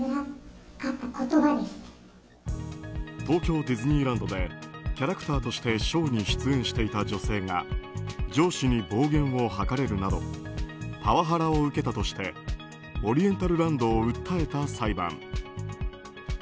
東京ディズニーランドでキャラクターとしてショーに出演していた女性が上司に暴言を吐かれるなどパワハラを受けたとしてオリエンタルランドを訴えた裁判。